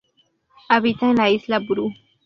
Habita en la isla Buru.